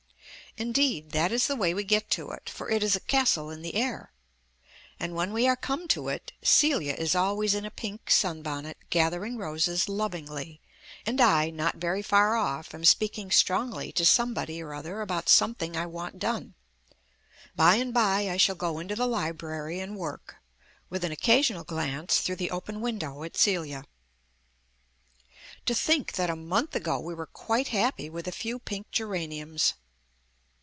Indeed, that is the way we get to it, for it is a castle in the air. And when we are come to it, Celia is always in a pink sunbonnet gathering roses lovingly, and I, not very far off, am speaking strongly to somebody or other about something I want done. By and by I shall go into the library and work ... with an occasional glance through the open window at Celia. To think that a month ago we were quite happy with a few pink geraniums!